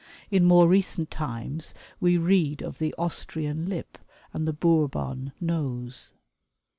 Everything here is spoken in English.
In more recent times we read of the Austrian lip and the Bourbon nose."